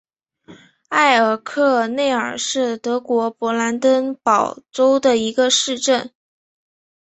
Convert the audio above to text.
埃尔克内尔是德国勃兰登堡州的一个市镇。